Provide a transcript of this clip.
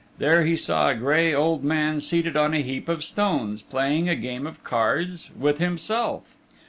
There he saw a gray old man seated on a heap of stones playing a game of cards with himself.